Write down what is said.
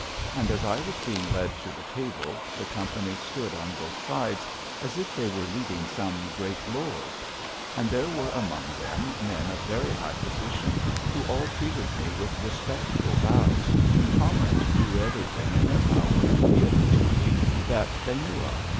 And as I was being led to the table the company stood on both sides as if they were leading some great lord. And there were among them men of very high position, who all treated me with respectful bows, and promised to do everything in their power agreeable to me that they knew of.